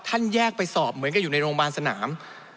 แยกไปสอบเหมือนกับอยู่ในโรงพยาบาลสนาม